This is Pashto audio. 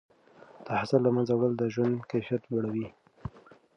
د حسد له منځه وړل د ژوند کیفیت لوړوي.